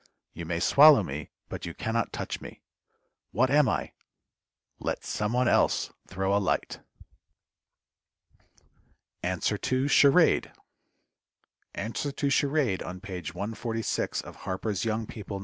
You may swallow me, but you can not touch me. What am I? Let some one else throw a light. =Answer to Charade.= Answer to Charade on page 146 of HARPER'S YOUNG PEOPLE No.